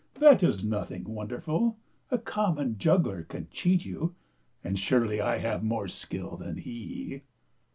That is nothing won derful. A common juggler can cheat you, and surely I have more skill than he."